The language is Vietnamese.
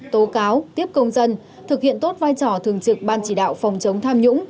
tố cáo tiếp công dân thực hiện tốt vai trò thường trực ban chỉ đạo phòng chống tham nhũng